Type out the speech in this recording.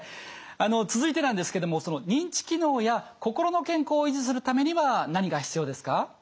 続いてなんですけどもその認知機能や心の健康を維持するためには何が必要ですか？